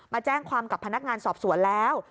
มาแจ้งความกับพนักงานสอบสวนแล้ว